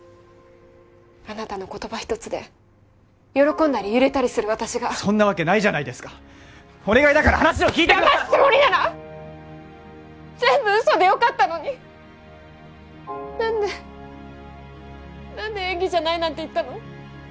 あなたの言葉一つで喜んだり揺れたりする私がそんなわけないじゃないですかお願いだから話を聞いてくださいだますつもりなら全部嘘でよかったのになんでなんで演技じゃないなんて言ったの？